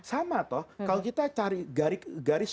sama toh kalau kita cari garis